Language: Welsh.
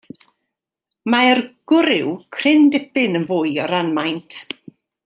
Mae'r gwryw cryn dipyn yn fwy o ran maint.